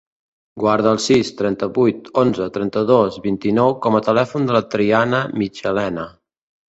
Guarda el sis, trenta-vuit, onze, trenta-dos, vint-i-nou com a telèfon de la Triana Michelena.